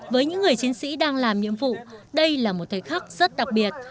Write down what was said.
với những người chiến sĩ đang làm nhiệm vụ đây là một thời khắc rất đặc biệt